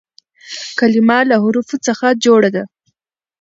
کلیمه له حروفو څخه جوړه ده.